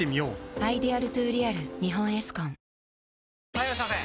・はいいらっしゃいませ！